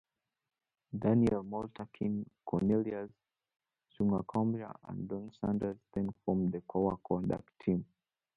Daniel Molkentin, Cornelius Schumacher and Don Sanders then formed the core Kontact team.